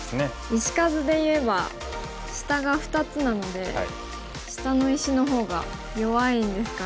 石数で言えば下が２つなので下の石の方が弱いんですかね。